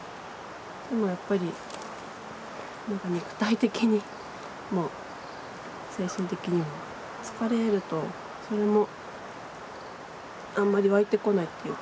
でもやっぱり肉体的にも精神的にも疲れるとそれもあんまり湧いてこないっていうか。